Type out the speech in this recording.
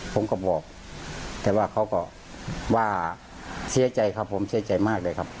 ผมก็บอกแต่ว่าเขาก็ว่าเสียใจครับผมเสียใจมากเลยครับ